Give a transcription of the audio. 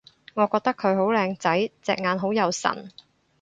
我覺得佢好靚仔！隻眼好有神